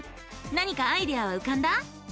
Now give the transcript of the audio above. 何かアイデアはうかんだ？